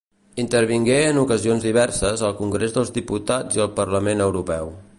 Intervengué en ocasions diverses al Congrés dels Diputats i al Parlament Europeu.